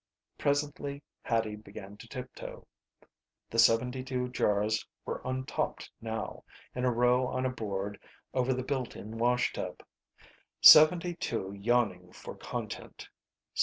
Presently Hattie began to tiptoe. The seventy two jars were untopped now, in a row on a board over the built in washtub. Seventy two yawning for content.